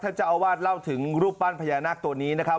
เจ้าอาวาสเล่าถึงรูปปั้นพญานาคตัวนี้นะครับ